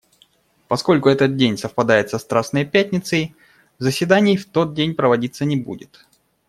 Поскольку этот день совпадает со Страстной Пятницей, заседаний в тот день проводиться не будет.